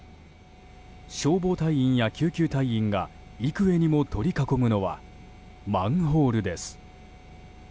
消防隊員や救急隊員が幾重にも取り囲むのはマンホールです。